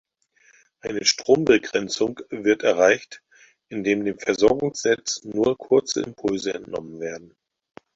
Eine Strombegrenzung wird erreicht, indem dem Versorgungsnetz nur kurze Impulse entnommen werden.